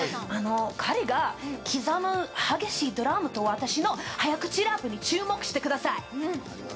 彼が刻む激しいドラムと私の早口ラップに注目してください。